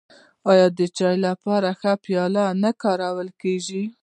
آیا د چای لپاره ښکلې پیالې نه کارول کیږي؟